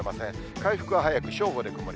回復は早く、正午で曇り。